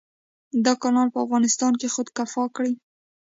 دا کانال به افغانستان خودکفا کړي.